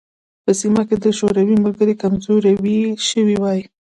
په سیمه کې د شوروي ملګري کمزوري شوي وای.